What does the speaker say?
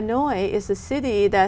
nhiều khó khăn